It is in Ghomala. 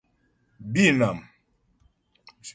Bînàm.